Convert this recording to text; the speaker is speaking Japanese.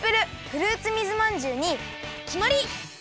フルーツ水まんじゅうにきまり！